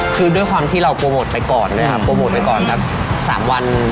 คือด้วยความที่เราโปรโมทไปก่อนนะครับ